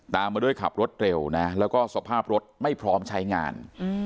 มาด้วยขับรถเร็วนะแล้วก็สภาพรถไม่พร้อมใช้งาน